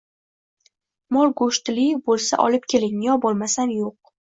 Mol go'shtili bo'lsa olib keling yo bo'lmasam yo'q.